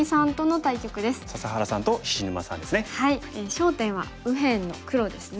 焦点は右辺の黒ですね。